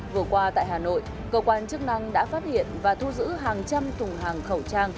vừa qua tại hà nội cơ quan chức năng đã phát hiện và thu giữ hàng trăm thùng hàng khẩu trang